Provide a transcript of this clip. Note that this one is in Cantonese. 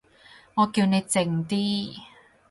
我叫你靜啲